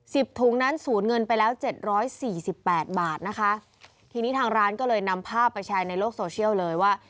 ถุงนั้นสูญเงินไปแล้วเจ็ดร้อยสี่สิบแปดบาทนะคะทีนี้ทางร้านก็เลยนำภาพไปแชร์ในโลกโซเชียลเลยว่า